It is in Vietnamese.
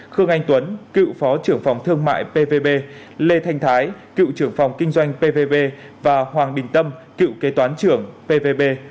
khương anh tuấn cựu phó trưởng phòng thương mại pvb lê thanh thái cựu trưởng phòng kinh doanh pvb và hoàng đình tâm cựu kế toán trưởng pvp